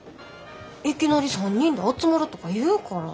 いきなり３人で集まろとか言うから。